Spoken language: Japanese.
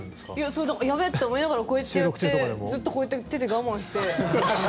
そう、だからやべって思いながらこうやってやってずっとこうやって手で我慢して。